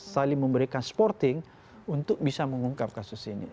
saling memberikan supporting untuk bisa mengungkap kasus ini